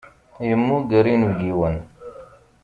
Yemmuger inebgiwen.